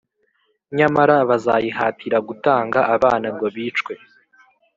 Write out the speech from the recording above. nyamara bazayihatira gutanga abana ngo bicwe!